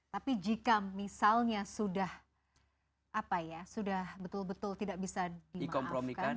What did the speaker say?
tapi jika misalnya sudah betul betul tidak bisa di maafkan